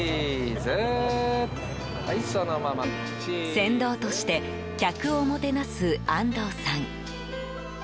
船頭として客をもてなす安藤さん。